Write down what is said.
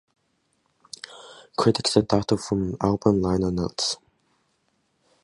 Credits adapted from album liner notes.